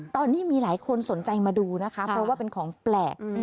ตอนนี้มีหลายคนสนใจมาดูนะคะเพราะว่าเป็นของแปลก